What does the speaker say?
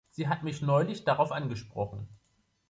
Sie hat mich neulich darauf angesprochen.